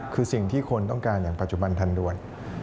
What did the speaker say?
คือสิ่งที่คนต้องการอย่างปัจจุบันทันด่วน